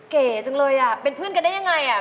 เก๋จังเลยอ่ะเป็นเพื่อนกันได้ยังไงอ่ะ